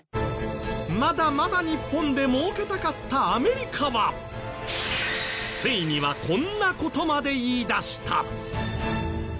まだまだ日本でもうけたかったアメリカはついにはこんな事まで言いだした。